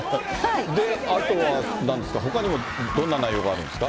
で、あとはなんですか、ほかにもどんな内容があるんですか。